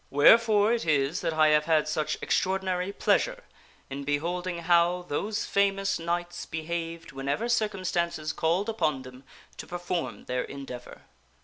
Wherefore it is that I have had such extraordinary pleasure in beholding how those famous knights behaved whenever circumstances called upon them to perform their endeavor.